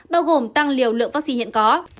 bao gồm tăng liều lượng vaccine hiện có